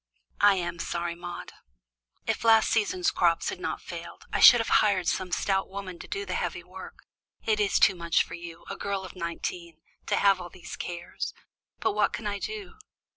"I am sorry, Maude. If last season's crops had not failed, I should have hired some stout woman to do the heavy work. It is too much for you, a girl of nineteen, to have all these cares; but what can I do?"